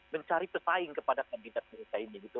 mencari pesaing kepada kandidat mereka ini gitu